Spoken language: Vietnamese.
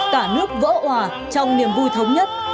cả nước vỡ hòa trong niềm vui thống nhất